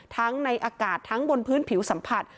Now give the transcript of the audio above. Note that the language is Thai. ทั้งในอากาศทั้งบนพื้นผิวสัมผัส